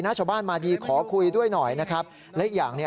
พระขู่คนที่เข้าไปคุยกับพระรูปนี้